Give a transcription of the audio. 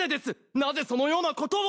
なぜそのようなことを！